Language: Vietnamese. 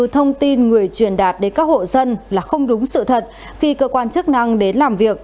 thông tin người truyền đạt đến các hộ dân là không đúng sự thật khi cơ quan chức năng đến làm việc